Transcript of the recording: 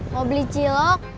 mau beli cilok